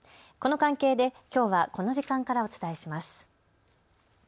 この関係できょうはこの時間からお伝えします。